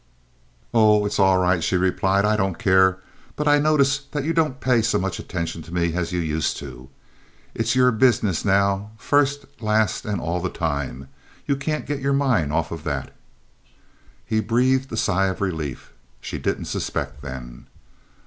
"Oh, it's all right," she replied. "I don't care. But I notice that you don't pay as much attention to me as you used to. It's your business now, first, last, and all the time. You can't get your mind off of that." He breathed a sigh of relief. She didn't suspect, then.